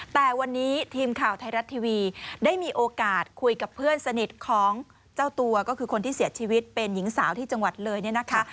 แต่วันนี้ทีมข่าวไทยรัฐทีวีได้มีโอกาสคุยกับเพื่อนสนิทของเจ้าตัวก็คือคนที่เสียชีวิตเป็นหญิงสาวที่จังหวัดเลยเนี่ยนะคะ